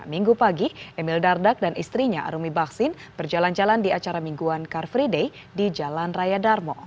minggu pagi emil dardak dan istrinya arumi baksin berjalan jalan di acara mingguan car free day di jalan raya darmo